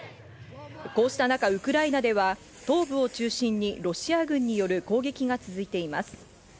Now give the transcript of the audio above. こうした中、ウクライナでは東部を中心にロシア軍による攻撃が続いています。